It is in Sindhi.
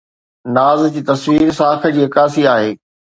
ناز جي تصوير ساک جي عڪاسي آهي